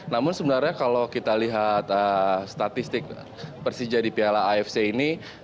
namun sebenarnya kalau kita lihat statistik persija di piala afc ini